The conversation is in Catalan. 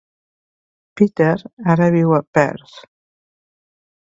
Peter ara viu a Perth.